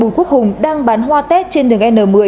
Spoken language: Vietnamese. bùi quốc hùng đang bán hoa tết trên đường n một mươi